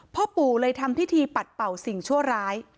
พ่อปู่เลยทำพิธีปัดเป่าสิ่งชั่วร้าย